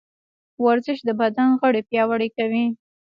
ورزش د بدن غړي پیاوړي کوي.